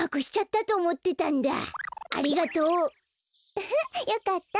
ウフッよかった。